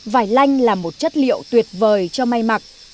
vải lanh là một chất liệu tuyệt vời cho may mặc